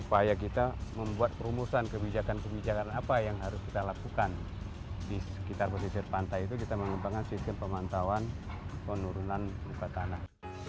upaya kita membuat perumusan kebijakan kebijakan apa yang harus kita lakukan di sekitar pesisir pantai itu kita mengembangkan sistem pemantauan penurunan muka tanah